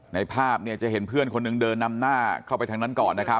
ในภาพจะเห็นเพื่อนคนหนึ่งเดินนำหน้าเข้าไปทางนั้นก่อนนะครับ